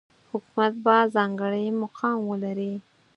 حکومت به ځانګړی مقام ولري.